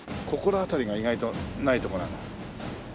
ここら辺りが意外とないとこ。